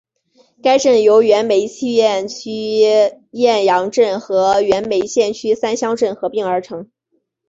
该镇由原梅县区雁洋镇和原梅县区三乡镇合并而成。